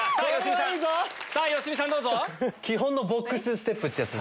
さぁ良純さんどうぞ。